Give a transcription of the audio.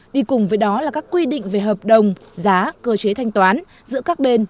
đi cùng với đó là các quy định về hợp đồng giá cơ chế thanh toán giữa các bên